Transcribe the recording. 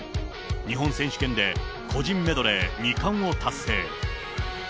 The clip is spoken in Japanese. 日本選手権で個人メドレー２冠を達成。